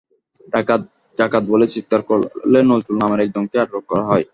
ডাকাত ডাকাত বলে চিৎকার করলে নজরুল নামের একজনকে আটক করা হয়।